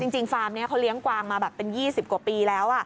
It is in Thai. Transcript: ฟาร์มนี้เขาเลี้ยงกวางมาแบบเป็น๒๐กว่าปีแล้ว